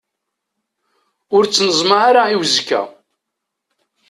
Ur ttneẓma ara i uzekka.